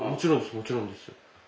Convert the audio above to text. もちろんです。